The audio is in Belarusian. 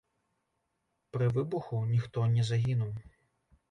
Пры выбуху ніхто не загінуў.